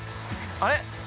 あれ？